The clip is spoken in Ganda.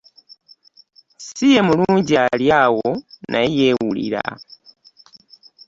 Si ye mulungi ali awo naye yeewulira.